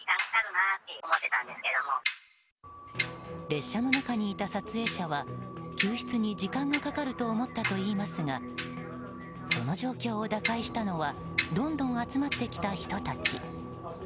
列車の中にいた撮影者は救出に時間がかかると思ったといいますがその状況を打開したのはどんどん集まってきた人たち。